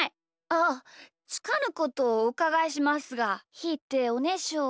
あつかぬことをおうかがいしますがひーっておねしょしてる？